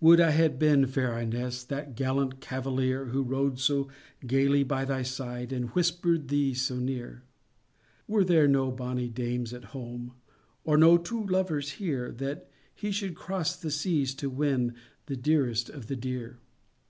Would I had been, fair Ines, That gallant cavalier, Who rode so gaily by thy side, And whisper'd thee so near! Were there no bonny dames at home Or no true lovers here, That he should cross the seas to win The dearest of the dear?